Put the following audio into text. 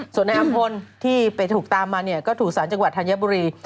ส่วนในอำพลที่ไปถูกตามมาเนี่ยก็ถูกสารจังหวัดธัญบุรี